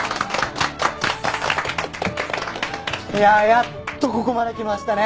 やっとここまで来ましたね。